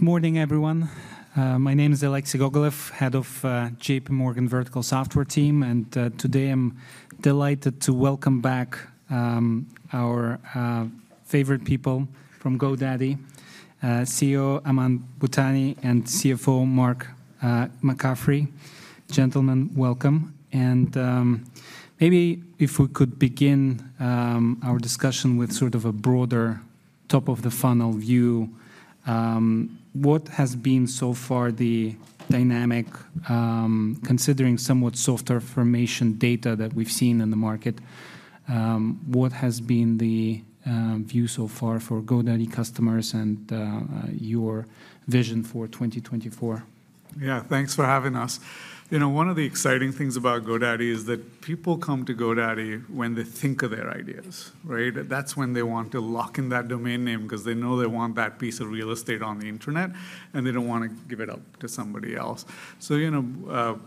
Good morning, everyone. My name is Alexei Gogolev, head of JPMorgan Vertical Software team, and today I'm delighted to welcome back our favorite people from GoDaddy, CEO Aman Bhutani, and CFO Mark McCaffrey. Gentlemen, welcome. And maybe if we could begin our discussion with sort of a broader top-of-the-funnel view. What has been so far the dynamic, considering somewhat softer formation data that we've seen in the market, what has been the view so far for GoDaddy customers and your vision for 2024? Yeah, thanks for having us. You know, one of the exciting things about GoDaddy is that people come to GoDaddy when they think of their ideas, right? That's when they want to lock in that domain name, 'cause they know they want that piece of real estate on the internet, and they don't wanna give it up to somebody else. So, you know,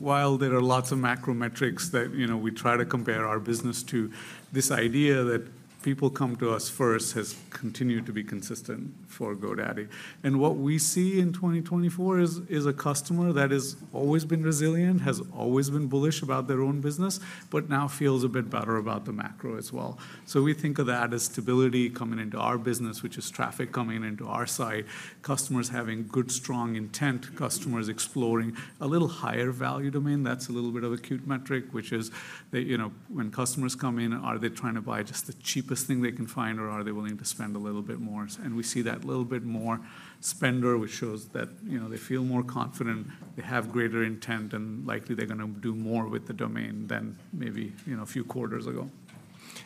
while there are lots of macro metrics that, you know, we try to compare our business to, this idea that people come to us first has continued to be consistent for GoDaddy. And what we see in 2024 is a customer that has always been resilient, has always been bullish about their own business, but now feels a bit better about the macro as well. So we think of that as stability coming into our business, which is traffic coming into our site, customers having good, strong intent, customers exploring a little higher value domain. That's a little bit of a cute metric, which is that, you know, when customers come in, are they trying to buy just the cheapest thing they can find, or are they willing to spend a little bit more? We see that little bit more spender, which shows that, you know, they feel more confident, they have greater intent, and likely they're gonna do more with the domain than maybe, you know, a few quarters ago.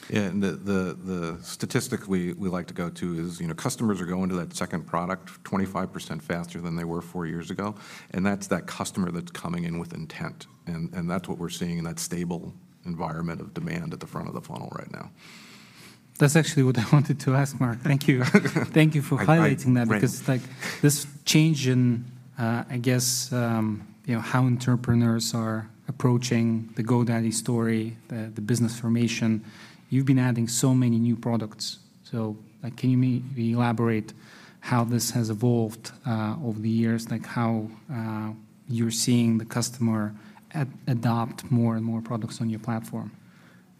Yeah, and the statistic we like to go to is, you know, customers are going to that second product 25% faster than they were four years ago, and that's that customer that's coming in with intent, and that's what we're seeing in that stable environment of demand at the front of the funnel right now. That's actually what I wanted to ask, Mark. Thank you. Thank you for highlighting that. I, right... because, like, this change in, I guess, you know, how entrepreneurs are approaching the GoDaddy story, the business formation, you've been adding so many new products. So, like, can you maybe elaborate how this has evolved over the years? Like, how you're seeing the customer adopt more and more products on your platform?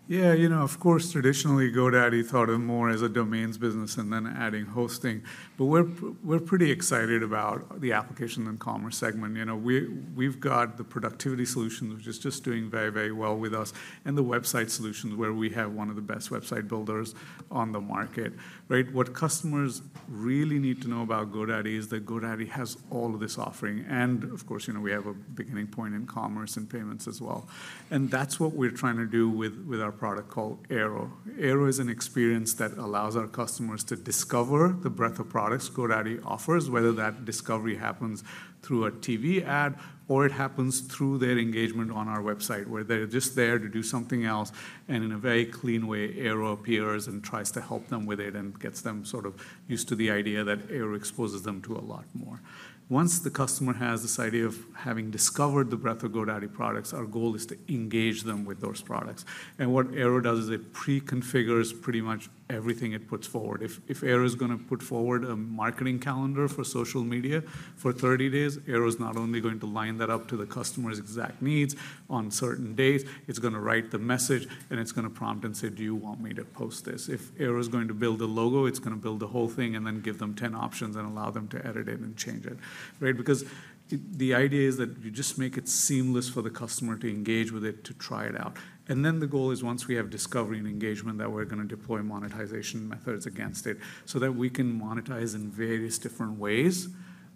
Yeah, you know, of course, traditionally, GoDaddy thought of more as a domains business and then adding hosting. But we're pretty excited about the Applications and Commerce segment. You know, we've got the productivity solution, which is just doing very, very well with us, and the website solutions, where we have one of the best website builders on the market, right? What customers really need to know about GoDaddy is that GoDaddy has all of this offering, and of course, you know, we have a beginning point in commerce and payments as well. And that's what we're trying to do with our product called Airo. Airo is an experience that allows our customers to discover the breadth of products GoDaddy offers, whether that discovery happens through a TV ad, or it happens through their engagement on our website, where they're just there to do something else, and in a very clean way, Airo appears and tries to help them with it and gets them sort of used to the idea that Airo exposes them to a lot more. Once the customer has this idea of having discovered the breadth of GoDaddy products, our goal is to engage them with those products. And what Airo does is it pre-configures pretty much everything it puts forward. If, if Airo is gonna put forward a marketing calendar for social media for 30 days, Airo is not only going to line that up to the customer's exact needs on certain days, it's gonna write the message, and it's gonna prompt and say, "Do you want me to post this?" If Airo is going to build a logo, it's gonna build the whole thing and then give them 10 options and allow them to edit it and change it, right? Because the, the idea is that you just make it seamless for the customer to engage with it, to try it out. And then the goal is once we have discovery and engagement, that we're gonna deploy monetization methods against it, so that we can monetize in various different ways,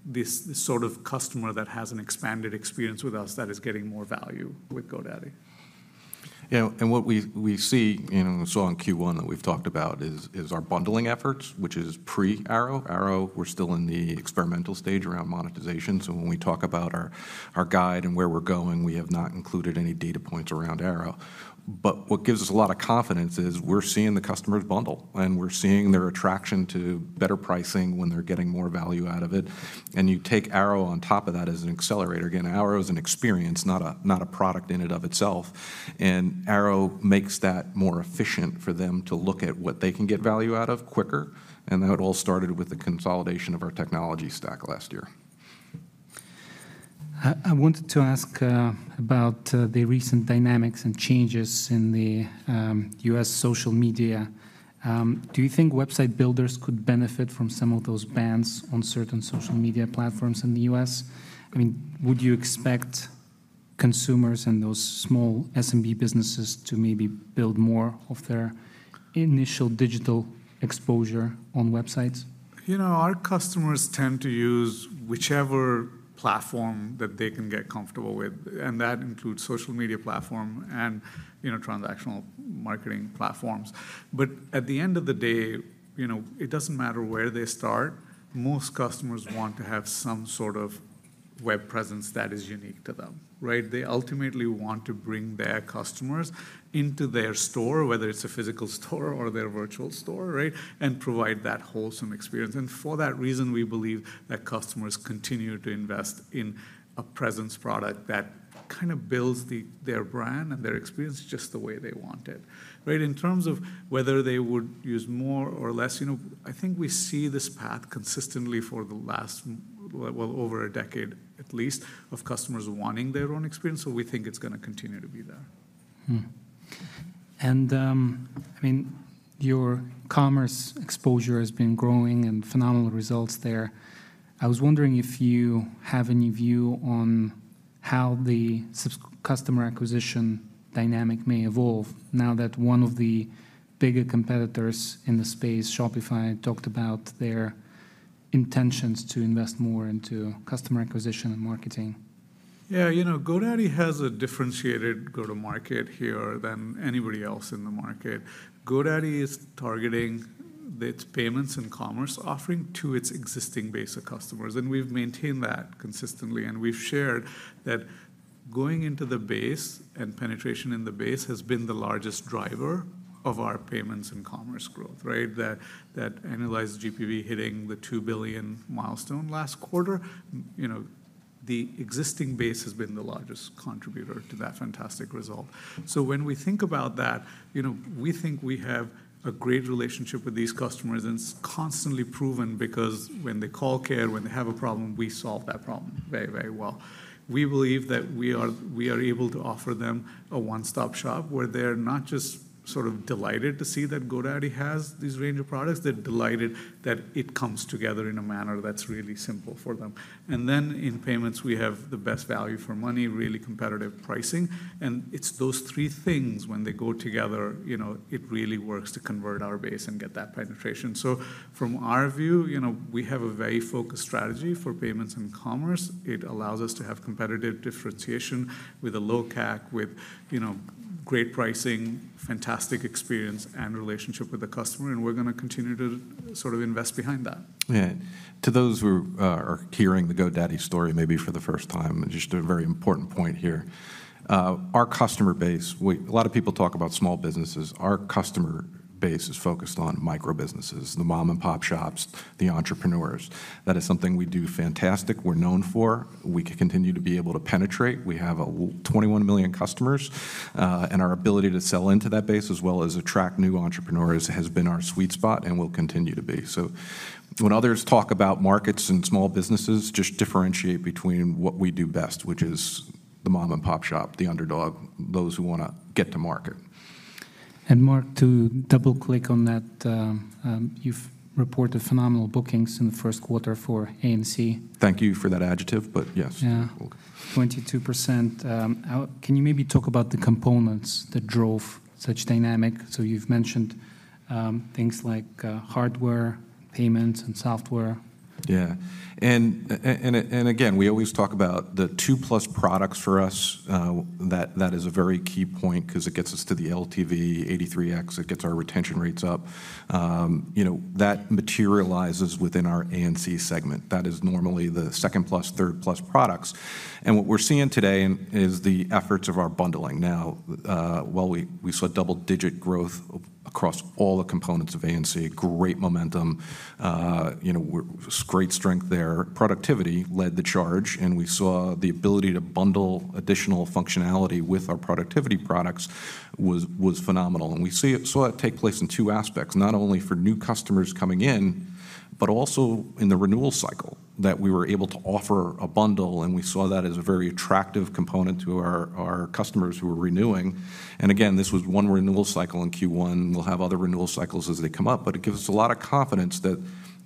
this, this sort of customer that has an expanded experience with us, that is getting more value with GoDaddy. You know, and what we see, you know, we saw in Q1 that we've talked about, is our bundling efforts, which is pre-Airo. Airo, we're still in the experimental stage around monetization, so when we talk about our guide and where we're going, we have not included any data points around Airo. But what gives us a lot of confidence is we're seeing the customers bundle, and we're seeing their attraction to better pricing when they're getting more value out of it. And you take Airo on top of that as an accelerator. Again, Airo is an experience, not a product in and of itself, and Airo makes that more efficient for them to look at what they can get value out of quicker, and that all started with the consolidation of our technology stack last year. I wanted to ask about the recent dynamics and changes in the U.S. social media. Do you think website builders could benefit from some of those bans on certain social media platforms in the U.S.? I mean, would you expect consumers and those small SMB businesses to maybe build more of their initial digital exposure on websites? You know, our customers tend to use whichever platform that they can get comfortable with, and that includes social media platform and, you know, transactional marketing platforms. But at the end of the day, you know, it doesn't matter where they start. Most customers want to have some sort of web presence that is unique to them, right? They ultimately want to bring their customers into their store, whether it's a physical store or their virtual store, right, and provide that wholesome experience. And for that reason, we believe that customers continue to invest in a presence product that kind of builds their brand and their experience just the way they want it, right? In terms of whether they would use more or less, you know, I think we see this path consistently for the last, well, well over a decade at least, of customers wanting their own experience, so we think it's gonna continue to be there. And, I mean, your commerce exposure has been growing and phenomenal results there. I was wondering if you have any view on how the customer acquisition dynamic may evolve now that one of the bigger competitors in the space, Shopify, talked about their intentions to invest more into customer acquisition and marketing. Yeah, you know, GoDaddy has a differentiated go-to-market here than anybody else in the market. GoDaddy is targeting its payments and commerce offering to its existing base of customers, and we've maintained that consistently. And we've shared that going into the base and penetration in the base has been the largest driver of our payments and commerce growth, right? That, that annualized GPV hitting the $2 billion milestone last quarter, you know, the existing base has been the largest contributor to that fantastic result. So when we think about that, you know, we think we have a great relationship with these customers, and it's constantly proven because when they call care, when they have a problem, we solve that problem very, very well. We believe that we are, we are able to offer them a one-stop shop, where they're not just sort of delighted to see that GoDaddy has these range of products, they're delighted that it comes together in a manner that's really simple for them. And then in payments, we have the best value for money, really competitive pricing, and it's those three things when they go together, you know, it really works to convert our base and get that penetration. So from our view, you know, we have a very focused strategy for payments and commerce. It allows us to have competitive differentiation with a low CAC, with, you know, great pricing, fantastic experience, and relationship with the customer, and we're gonna continue to sort of invest behind that. Yeah. To those who are hearing the GoDaddy story maybe for the first time, just a very important point here. Our customer base, A lot of people talk about small businesses. Our customer base is focused on microbusinesses, the mom-and-pop shops, the entrepreneurs. That is something we do fantastic, we're known for. We can continue to be able to penetrate. We have 21 million customers, and our ability to sell into that base, as well as attract new entrepreneurs, has been our sweet spot and will continue to be. So when others talk about markets and small businesses, just differentiate between what we do best, which is the mom-and-pop shop, the underdog, those who wanna get to market. Mark, to double-click on that, you've reported phenomenal bookings in the first quarter for A&C. Thank you for that adjective, but yes. Yeah. Welcome. 22%. Can you maybe talk about the components that drove such dynamic? So you've mentioned things like hardware, payments, and software. Yeah, and again, we always talk about the two-plus products for us. That is a very key point 'cause it gets us to the LTV, 83x, it gets our retention rates up. You know, that materializes within our A&C segment. That is normally the second-plus, third-plus products. And what we're seeing today is the efforts of our bundling. Now, while we saw double-digit growth across all the components of A&C, great momentum, you know, great strength there. Productivity led the charge, and we saw the ability to bundle additional functionality with our productivity products was phenomenal, and we saw it take place in two aspects: not only for new customers coming in, but also in the renewal cycle, that we were able to offer a bundle, and we saw that as a very attractive component to our customers who were renewing. And again, this was one renewal cycle in Q1. We'll have other renewal cycles as they come up, but it gives us a lot of confidence that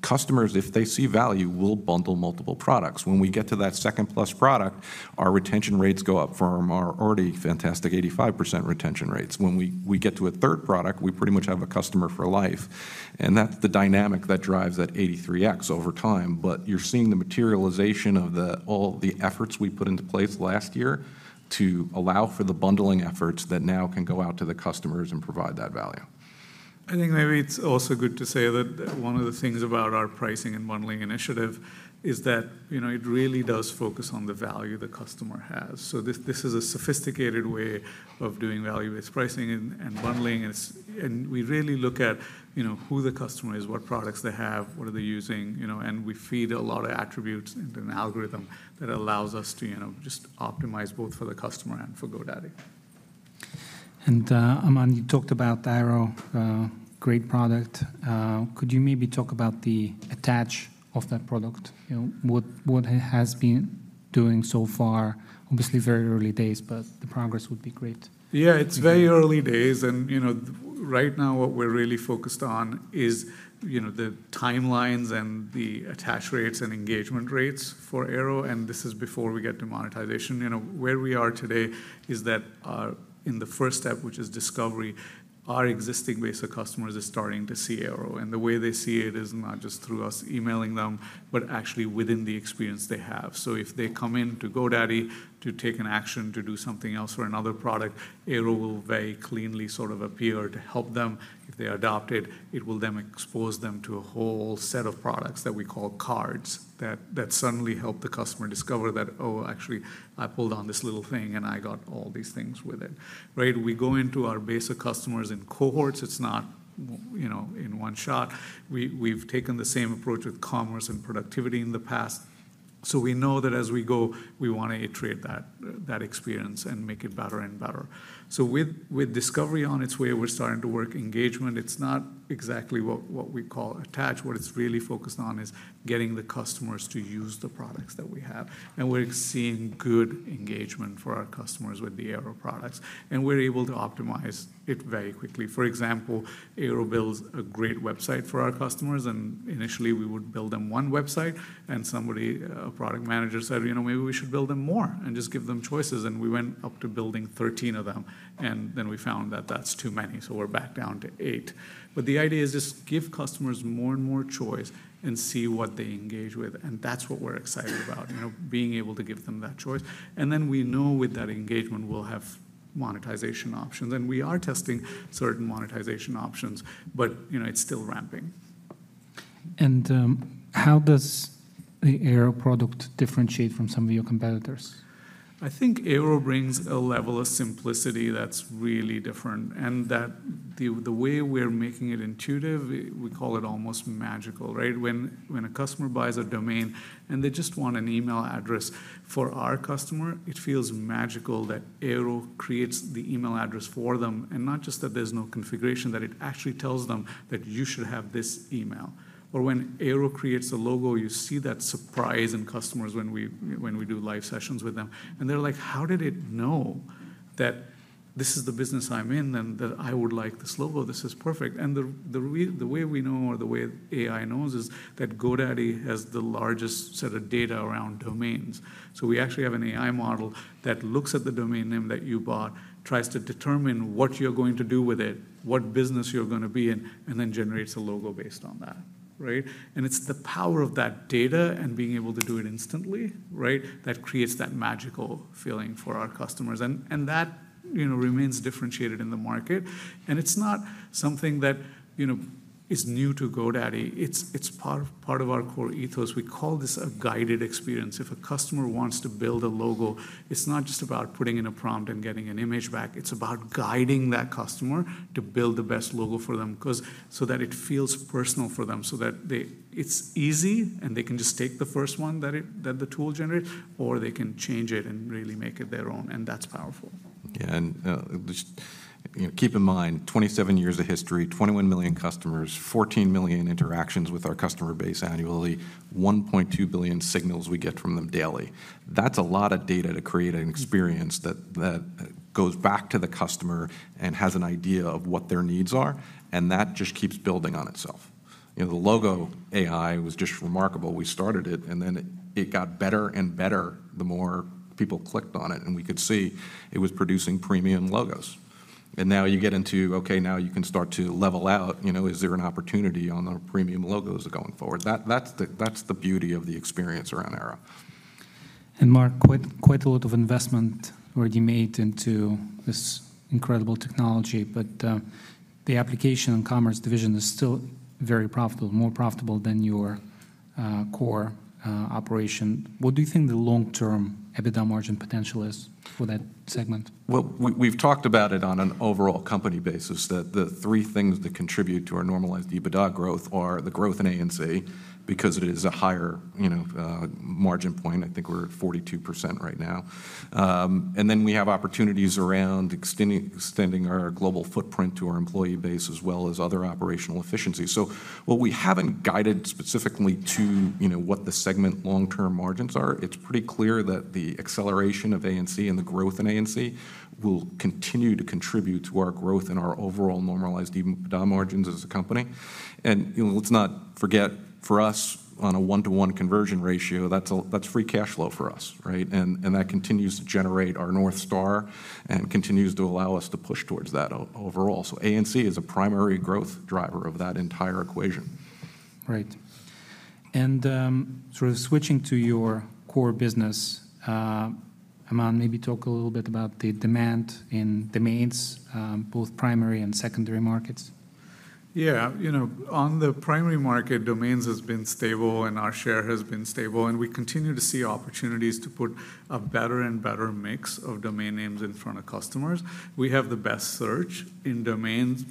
customers, if they see value, will bundle multiple products. When we get to that second-plus product, our retention rates go up from our already fantastic 85% retention rates. When we get to a third product, we pretty much have a customer for life, and that's the dynamic that drives that 83x over time. But you're seeing the materialization of all the efforts we put into place last year to allow for the bundling efforts that now can go out to the customers and provide that value. I think maybe it's also good to say that, one of the things about our pricing and bundling initiative is that, you know, it really does focus on the value the customer has. So this is a sophisticated way of doing value-based pricing and bundling. And we really look at, you know, who the customer is, what products they have, what are they using, you know, and we feed a lot of attributes into an algorithm that allows us to, you know, just optimize both for the customer and for GoDaddy. Aman, you talked about Airo, great product. Could you maybe talk about the attach of that product? You know, what it has been doing so far. Obviously, very early days, but the progress would be great. Yeah, it's very early days, and, you know, right now, what we're really focused on is, you know, the timelines and the attach rates and engagement rates for Airo, and this is before we get to monetization. You know, where we are today is that our, in the first step, which is discovery, our existing base of customers are starting to see Airo. And the way they see it is not just through us emailing them, but actually within the experience they have. So if they come in to GoDaddy to take an action, to do something else for another product, Airo will very cleanly sort of appear to help them. If they adopt it, it will then expose them to a whole set of products that we call cards, that suddenly help the customer discover that, "Oh, actually, I pulled on this little thing, and I got all these things with it." Right? We go into our base of customers in cohorts. It's not you know, in one shot. We've taken the same approach with commerce and productivity in the past, so we know that as we go, we wanna iterate that experience and make it better and better. So with discovery on its way, we're starting to work engagement. It's not exactly what we call attach. What it's really focused on is getting the customers to use the products that we have, and we're seeing good engagement for our customers with the Airo products, and we're able to optimize it very quickly. For example, Airo builds a great website for our customers, and initially, we would build them one website, and somebody, a product manager, said, "You know, maybe we should build them more and just give them choices," and we went up to building 13 of them, and then we found that that's too many, so we're back down to 8. But the idea is just give customers more and more choice and see what they engage with, and that's what we're excited about, you know, being able to give them that choice. And then we know with that engagement, we'll have monetization options, and we are testing certain monetization options, but, you know, it's still ramping. How does the Airo product differentiate from some of your competitors? I think Airo brings a level of simplicity that's really different, and that the way we're making it intuitive, we call it almost magical, right? When a customer buys a domain and they just want an email address, for our customer, it feels magical that Airo creates the email address for them, and not just that there's no configuration, that it actually tells them that you should have this email. Or when Airo creates a logo, you see that surprise in customers when we do live sessions with them, and they're like: "How did it know that this is the business I'm in, and that I would like this logo? This is perfect." And the way we know, or the way AI knows, is that GoDaddy has the largest set of data around domains. So we actually have an AI model that looks at the domain name that you bought, tries to determine what you're going to do with it, what business you're gonna be in, and then generates a logo based on that, right? And it's the power of that data and being able to do it instantly, right? That creates that magical feeling for our customers, and that, you know, remains differentiated in the market. And it's not something that, you know, is new to GoDaddy. It's part of our core ethos. We call this a guided experience. If a customer wants to build a logo, it's not just about putting in a prompt and getting an image back. It's about guiding that customer to build the best logo for them 'cause so that it feels personal for them, so that they... It's easy, and they can just take the first one that the tool generates, or they can change it and really make it their own, and that's powerful. Yeah, and, just, you know, keep in mind, 27 years of history, 21 million customers, 14 million interactions with our customer base annually, 1.2 billion signals we get from them daily. That's a lot of data to create an experience that goes back to the customer and has an idea of what their needs are, and that just keeps building on itself. You know, the logo AI was just remarkable. We started it, and then it got better and better the more people clicked on it, and we could see it was producing premium logos. And now you get into, okay, now you can start to level out. You know, is there an opportunity on the premium logos going forward? That's the beauty of the experience around Airo. Mark, quite, quite a lot of investment already made into this incredible technology, but, the Applications and Commerce division is still very profitable, more profitable than your, core, operation. What do you think the long-term EBITDA margin potential is for that segment? Well, we've talked about it on an overall company basis, that the three things that contribute to our normalized EBITDA growth are the growth in A&C because it is a higher, you know, margin point. I think we're at 42% right now. And then we have opportunities around extending our global footprint to our employee base, as well as other operational efficiencies. So while we haven't guided specifically to, you know, what the segment long-term margins are, it's pretty clear that the acceleration of A&C and the growth in A&C will continue to contribute to our growth and our overall normalized EBITDA margins as a company. And, you know, let's not forget, for us, on a one-to-one conversion ratio, that's a... That's free cash flow for us, right? And that continues to generate our North Star and continues to allow us to push towards that overall. So A&C is a primary growth driver of that entire equation. Right. And, sort of switching to your core business, Aman, maybe talk a little bit about the demand in domains, both primary and secondary markets. Yeah. You know, on the primary market, domains has been stable, and our share has been stable, and we continue to see opportunities to put a better and better mix of domain names in front of customers. We have the best search in domains,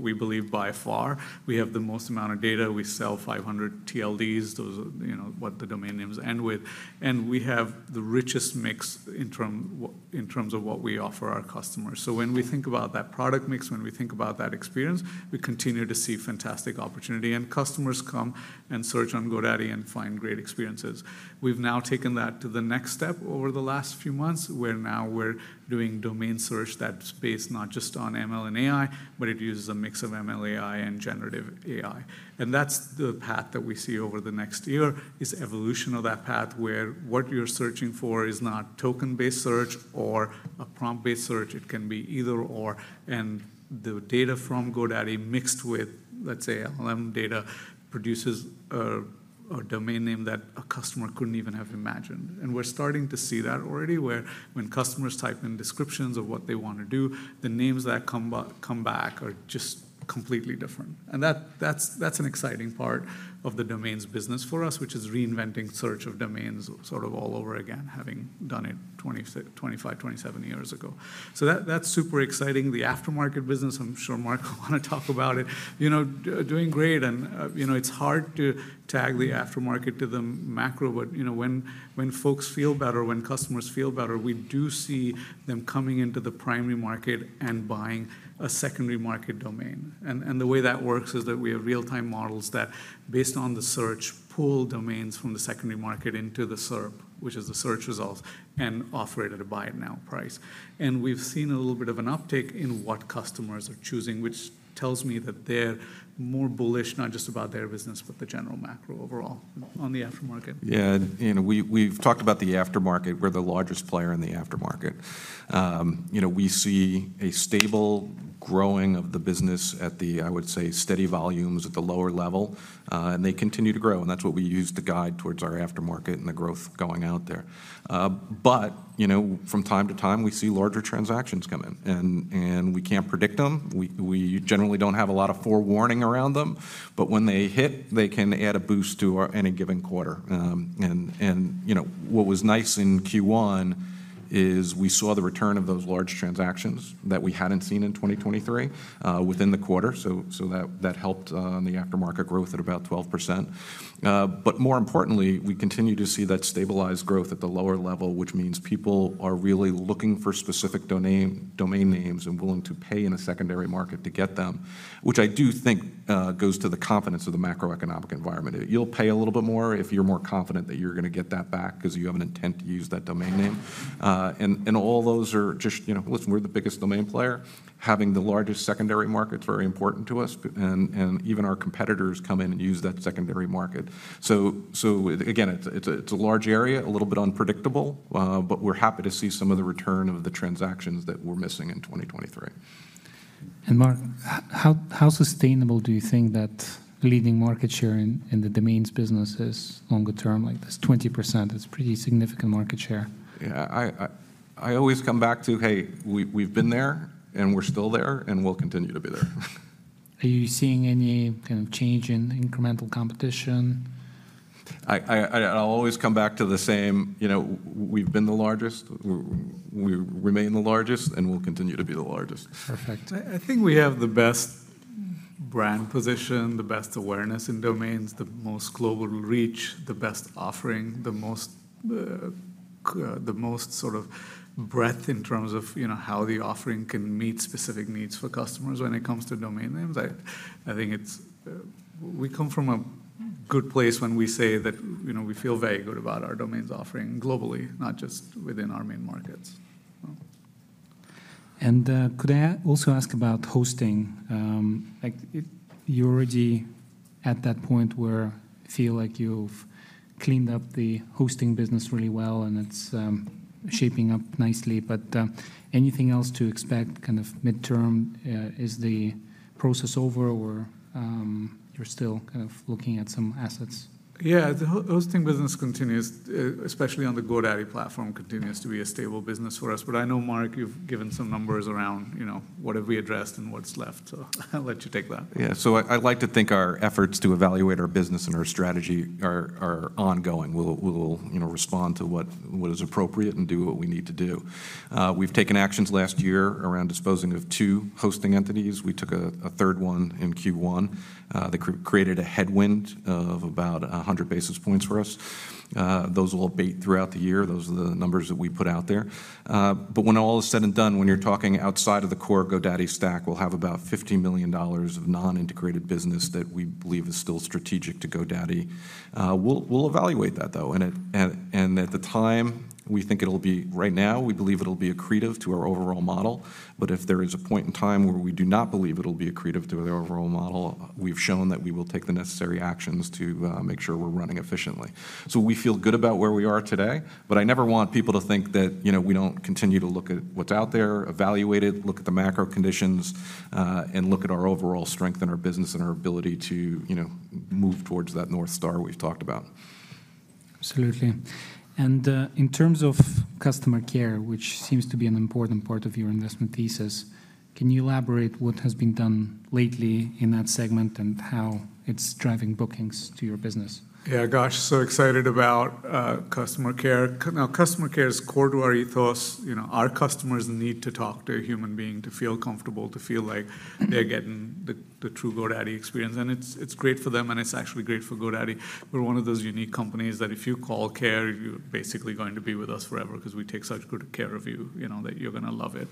we believe, by far. We have the most amount of data. We sell 500 TLDs, those, you know, what the domain names end with, and we have the richest mix in terms of what we offer our customers. So when we think about that product mix, when we think about that experience, we continue to see fantastic opportunity, and customers come and search on GoDaddy and find great experiences. We've now taken that to the next step over the last few months, where now we're doing domain search that's based not just on ML and AI, but it uses a mix of ML, AI, and generative AI. And that's the path that we see over the next year, is evolution of that path, where what you're searching for is not token-based search or a prompt-based search. It can be either/or, and the data from GoDaddy mixed with, let's say, LLM data, produces a domain name that a customer couldn't even have imagined. And we're starting to see that already, where when customers type in descriptions of what they want to do, the names that come back are just completely different. That's an exciting part of the domains business for us, which is reinventing search of domains sort of all over again, having done it 25, 27 years ago. So that's super exciting. The aftermarket business, I'm sure Mark will wanna talk about it. You know, doing great, and, you know, it's hard to tag the aftermarket to the macro, but, you know, when folks feel better, when customers feel better, we do see them coming into the primary market and buying a secondary market domain. And the way that works is that we have real-time models that, based on the search, pull domains from the secondary market into the SERP, which is the search results, and offer it at a Buy It Now price. We've seen a little bit of an uptick in what customers are choosing, which tells me that they're more bullish, not just about their business, but the general macro overall on the aftermarket. Yeah, and, you know, we, we've talked about the aftermarket. We're the largest player in the aftermarket. You know, we see a stable growing of the business at the, I would say, steady volumes at the lower level, and they continue to grow, and that's what we use to guide towards our aftermarket and the growth going out there. But, you know, from time to time, we see larger transactions come in, and we can't predict them. We generally don't have a lot of forewarning around them, but when they hit, they can add a boost to our any given quarter. And, you know, what was nice in Q1 is we saw the return of those large transactions that we hadn't seen in 2023, within the quarter, so that helped, on the aftermarket growth at about 12%. But more importantly, we continue to see that stabilized growth at the lower level, which means people are really looking for specific domain, domain names and willing to pay in a secondary market to get them, which I do think goes to the confidence of the macroeconomic environment. You'll pay a little bit more if you're more confident that you're gonna get that back 'cause you have an intent to use that domain name. And, and all those are just... You know, listen, we're the biggest domain player. Having the largest secondary market is very important to us, and even our competitors come in and use that secondary market. So, so again, it's a, it's a large area, a little bit unpredictable, but we're happy to see some of the return of the transactions that were missing in 2023. Mark, how sustainable do you think that leading market share in the domains business is long term? Like, this 20% is pretty significant market share. Yeah, I always come back to, "Hey, we've been there, and we're still there, and we'll continue to be there. Are you seeing any kind of change in incremental competition? I'll always come back to the same, you know, we've been the largest, we remain the largest, and we'll continue to be the largest. Perfect. I think we have the best brand position, the best awareness in domains, the most global reach, the best offering, the most sort of breadth in terms of, you know, how the offering can meet specific needs for customers when it comes to domain names. I think it's we come from a good place when we say that, you know, we feel very good about our domains offering globally, not just within our main markets. Could I also ask about hosting? Like, if you're already at that point where you feel like you've cleaned up the hosting business really well, and it's shaping up nicely, but anything else to expect kind of midterm? Is the process over, or you're still kind of looking at some assets? Yeah, the hosting business continues, especially on the GoDaddy platform, continues to be a stable business for us. But I know, Mark, you've given some numbers around, you know, what have we addressed and what's left, so I'll let you take that. Yeah. I like to think our efforts to evaluate our business and our strategy are ongoing. We'll, you know, respond to what is appropriate and do what we need to do. We've taken actions last year around disposing of two hosting entities. We took a third one in Q1. That created a headwind of about 100 basis points for us. Those will abate throughout the year. Those are the numbers that we put out there. But when all is said and done, when you're talking outside of the core GoDaddy stack, we'll have about $50 million of non-integrated business that we believe is still strategic to GoDaddy. We'll evaluate that, though, and at the time, we think it'll be... Right now, we believe it'll be accretive to our overall model. But if there is a point in time where we do not believe it'll be accretive to the overall model, we've shown that we will take the necessary actions to make sure we're running efficiently. So we feel good about where we are today, but I never want people to think that, you know, we don't continue to look at what's out there, evaluate it, look at the macro conditions, and look at our overall strength in our business and our ability to, you know, move towards that North Star we've talked about. Absolutely. And, in terms of customer care, which seems to be an important part of your investment thesis, can you elaborate what has been done lately in that segment and how it's driving bookings to your business? Yeah, gosh, so excited about customer care. Now, customer care is core to our ethos. You know, our customers need to talk to a human being to feel comfortable, to feel like- Mm-hmm... they're getting the true GoDaddy experience, and it's great for them, and it's actually great for GoDaddy. We're one of those unique companies that if you call care, you're basically going to be with us forever because we take such good care of you, you know, that you're gonna love it.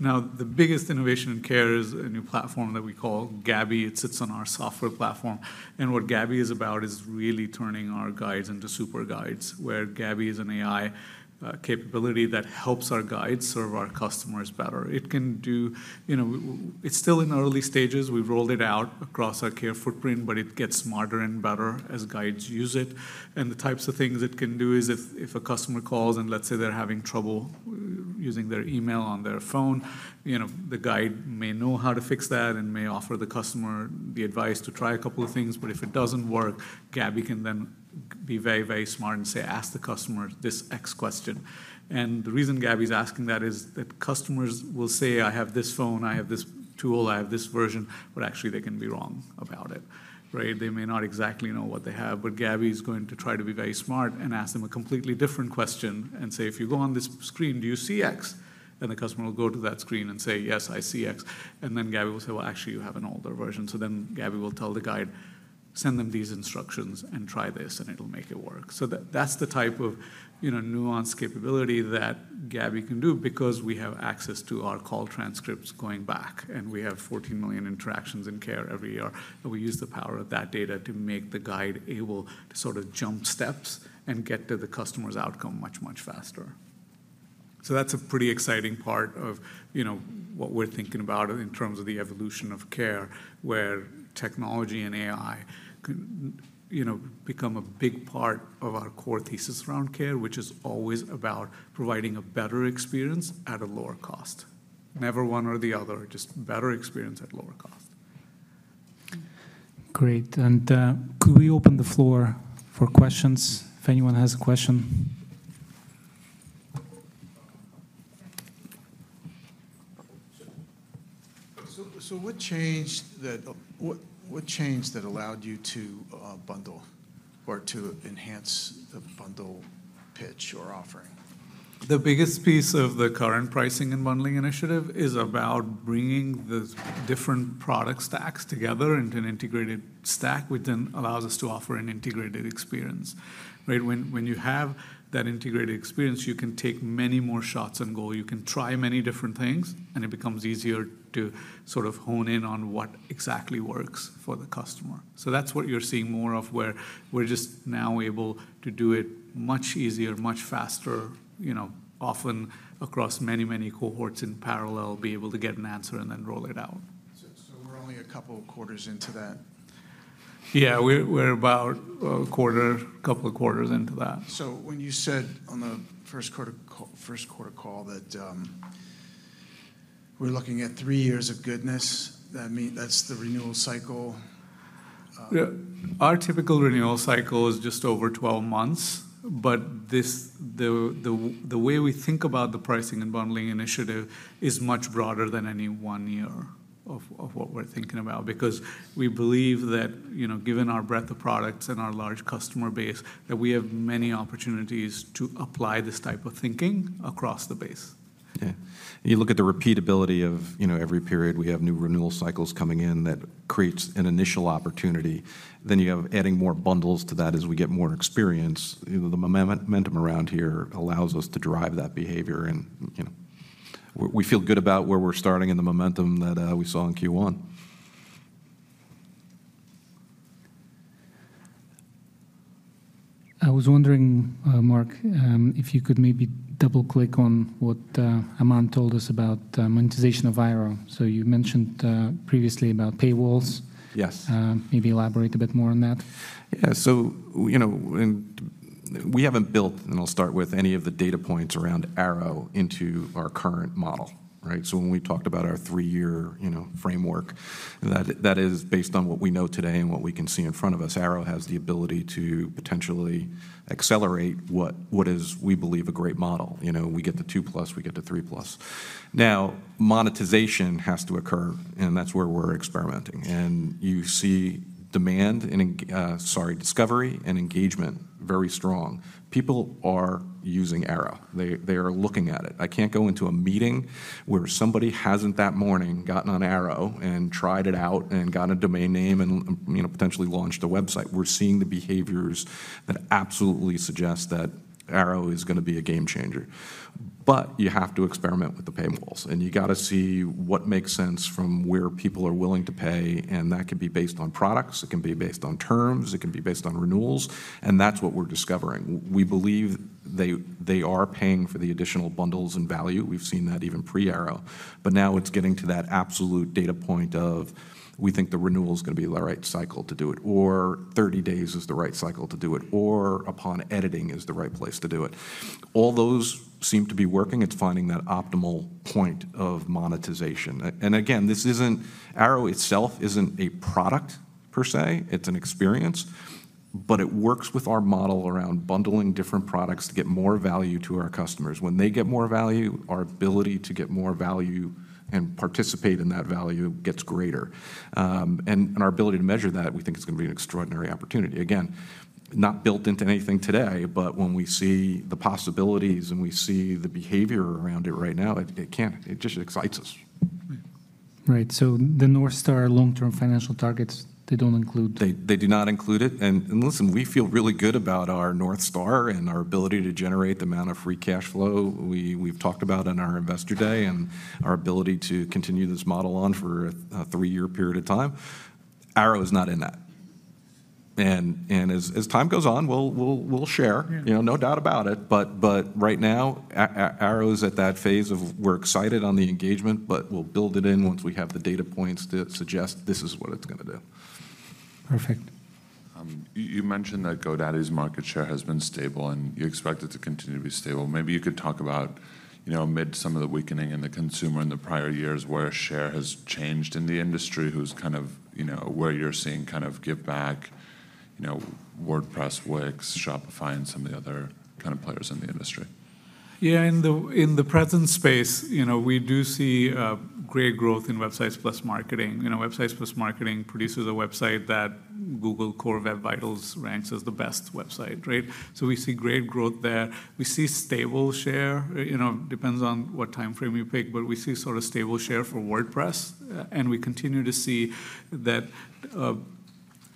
Now, the biggest innovation in care is a new platform that we call Gabby. It sits on our software platform, and what Gabby is about is really turning our guides into super guides, where Gabby is an AI capability that helps our guides serve our customers better. It can do. You know, it's still in early stages. We've rolled it out across our care footprint, but it gets smarter and better as guides use it. And the types of things it can do is if a customer calls, and let's say they're having trouble using their email on their phone, you know, the guide may know how to fix that and may offer the customer the advice to try a couple of things. But if it doesn't work, Gabby can then be very, very smart and say, "Ask the customer this X question." And the reason Gabby's asking that is that customers will say, "I have this phone, I have this tool, I have this version," but actually, they can be wrong about it, right? They may not exactly know what they have, but Gabby is going to try to be very smart and ask them a completely different question and say, "If you go on this screen, do you see X?" And the customer will go to that screen and say, "Yes, I see X." And then Gabby will say, "Well, actually, you have an older version." So then Gabby will tell the guide, "Send them these instructions and try this, and it'll make it work." So that's the type of, you know, nuanced capability that Gabby can do because we have access to our call transcripts going back, and we have 14 million interactions in care every year. And we use the power of that data to make the guide able to sort of jump steps and get to the customer's outcome much, much faster.... So that's a pretty exciting part of, you know, what we're thinking about in terms of the evolution of care, where technology and AI can, you know, become a big part of our core thesis around care, which is always about providing a better experience at a lower cost. Never one or the other, just better experience at lower cost. Great, and, could we open the floor for questions, if anyone has a question? So what changed that allowed you to bundle or to enhance the bundle pitch or offering? The biggest piece of the current pricing and bundling initiative is about bringing the different product stacks together into an integrated stack, which then allows us to offer an integrated experience, right? When you have that integrated experience, you can take many more shots and go. You can try many different things, and it becomes easier to sort of hone in on what exactly works for the customer. So that's what you're seeing more of, where we're just now able to do it much easier, much faster, you know, often across many, many cohorts in parallel, be able to get an answer and then roll it out. So, we're only a couple of quarters into that? Yeah, we're about a quarter, couple of quarters into that. So when you said on the first quarter call that, "We're looking at three years of goodness," that mean... That's the renewal cycle. Yeah. Our typical renewal cycle is just over 12 months, but this, the way we think about the pricing and bundling initiative is much broader than any one year of what we're thinking about. Because we believe that, you know, given our breadth of products and our large customer base, that we have many opportunities to apply this type of thinking across the base. Yeah. You look at the repeatability of, you know, every period, we have new renewal cycles coming in that creates an initial opportunity. Then you have adding more bundles to that as we get more experience. You know, the momentum around here allows us to drive that behavior, and, you know, we feel good about where we're starting and the momentum that we saw in Q1. I was wondering, Mark, if you could maybe double-click on what Aman told us about monetization of Airo. So you mentioned previously about paywalls. Yes. Maybe elaborate a bit more on that. Yeah, so, you know, and we haven't built, and I'll start with, any of the data points around Airo into our current model, right? So when we talked about our 3-year, you know, framework, that, that is based on what we know today and what we can see in front of us. Airo has the ability to potentially accelerate what, what is, we believe, a great model. You know, we get to 2+, we get to 3+. Now, monetization has to occur, and that's where we're experimenting, and you see demand and discovery and engagement, very strong. People are using Airo. They, they are looking at it. I can't go into a meeting where somebody hasn't, that morning, gotten on Airo and tried it out and gotten a domain name and, you know, potentially launched a website. We're seeing the behaviors that absolutely suggest that Airo is gonna be a game changer. But you have to experiment with the paywalls, and you gotta see what makes sense from where people are willing to pay, and that could be based on products, it can be based on terms, it can be based on renewals, and that's what we're discovering. We believe they are paying for the additional bundles and value. We've seen that even pre-Airo. But now it's getting to that absolute data point of, we think the renewal is gonna be the right cycle to do it, or 30 days is the right cycle to do it, or upon editing is the right place to do it. All those seem to be working. It's finding that optimal point of monetization. And again, this isn't, Airo itself isn't a product, per se. It's an experience, but it works with our model around bundling different products to get more value to our customers. When they get more value, our ability to get more value and participate in that value gets greater. And our ability to measure that, we think is gonna be an extraordinary opportunity. Again, not built into anything today, but when we see the possibilities, and we see the behavior around it right now, it can't... It just excites us. Right. Right, so the North Star long-term financial targets, they don't include- They do not include it, and listen, we feel really good about our North Star and our ability to generate the amount of free cash flow we've talked about on our Investor Day, and our ability to continue this model on for a three-year period of time. Airo is not in that. And as time goes on, we'll share- Yeah. You know, no doubt about it, but right now, Airo is at that phase where we're excited on the engagement, but we'll build it in once we have the data points that suggest this is what it's gonna do. Perfect. You mentioned that GoDaddy's market share has been stable, and you expect it to continue to be stable. Maybe you could talk about, you know, amid some of the weakening in the consumer in the prior years, where share has changed in the industry, who's kind of, you know, where you're seeing kind of give back, you know, WordPress, Wix, Shopify, and some of the other kind of players in the industry. Yeah, in the, in the present space, you know, we do see great growth in Websites + Marketing. You know, Websites + Marketing produces a website that Google Core Web Vitals ranks as the best website, right? So we see great growth there. We see stable share, you know, depends on what timeframe you pick, but we see sort of stable share for WordPress. And we continue to see that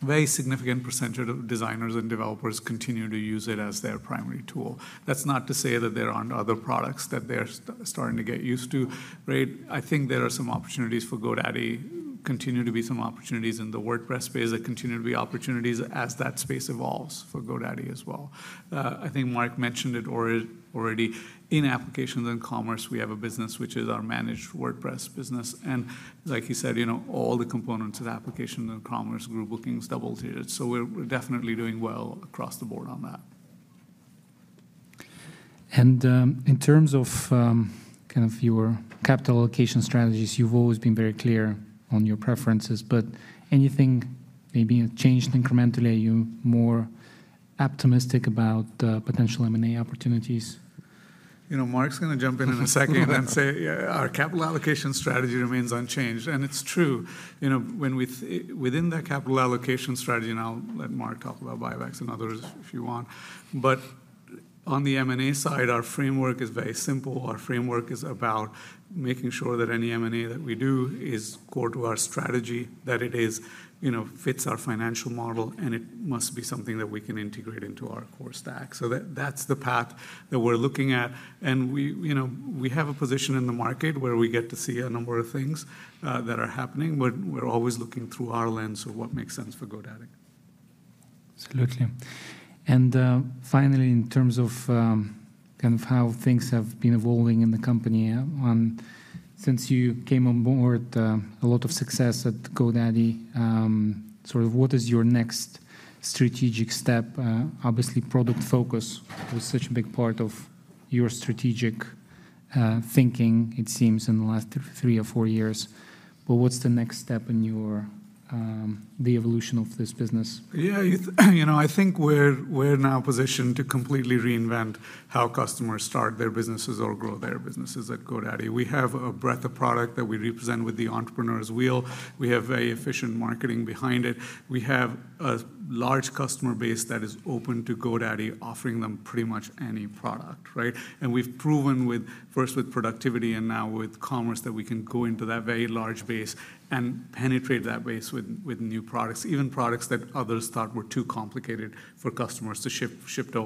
a very significant percentage of designers and developers continue to use it as their primary tool. That's not to say that there aren't other products that they're starting to get used to, right? I think there are some opportunities for GoDaddy continue to be some opportunities in the WordPress space. There continue to be opportunities as that space evolves for GoDaddy as well. I think Mark mentioned it or already, in Applications and Commerce, we have a business which is our managed WordPress business, and like he said, you know, all the components of Applications and Commerce group bookings double digits. So we're definitely doing well across the board on that. In terms of kind of your capital allocation strategies, you've always been very clear on your preferences, but anything maybe changed incrementally? Are you more optimistic about potential M&A opportunities? You know, Mark's gonna jump in in a second and then say, yeah, our capital allocation strategy remains unchanged, and it's true. You know, when we think within that capital allocation strategy, and I'll let Mark talk about buybacks and others, if you want. But on the M&A side, our framework is very simple. Our framework is about making sure that any M&A that we do is core to our strategy, that it is, you know, fits our financial model, and it must be something that we can integrate into our core stack. So that, that's the path that we're looking at, and we, you know, we have a position in the market where we get to see a number of things that are happening, but we're always looking through our lens of what makes sense for GoDaddy. Absolutely. And, finally, in terms of, kind of how things have been evolving in the company, since you came on board, a lot of success at GoDaddy, sort of what is your next strategic step? Obviously, product focus was such a big part of your strategic, thinking, it seems, in the last three or four years, but what's the next step in your, the evolution of this business? Yeah, you know, I think we're now positioned to completely reinvent how customers start their businesses or grow their businesses at GoDaddy. We have a breadth of product that we represent with the Entrepreneur's Wheel. We have very efficient marketing behind it. We have a large customer base that is open to GoDaddy offering them pretty much any product, right? And we've proven with, first with productivity, and now with commerce, that we can go into that very large base and penetrate that base with new products, even products that others thought were too complicated for customers to shift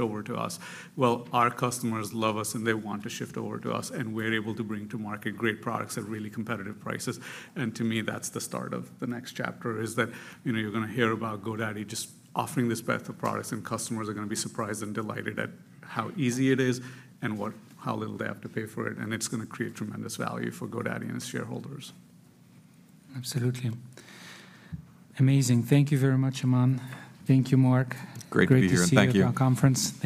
over to us. Well, our customers love us, and they want to shift over to us, and we're able to bring to market great products at really competitive prices. To me, that's the start of the next chapter, is that, you know, you're gonna hear about GoDaddy just offering this breadth of products, and customers are gonna be surprised and delighted at how easy it is and what, how little they have to pay for it, and it's gonna create tremendous value for GoDaddy and its shareholders. Absolutely. Amazing. Thank you very much, Aman. Thank you, Mark. Great to be here, and thank you. Great to see you at our conference. Thank you.